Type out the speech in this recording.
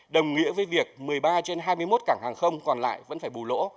đồng nghĩa với việc một mươi ba trên hai mươi một cảng hàng không còn lại vẫn phải bù lỗ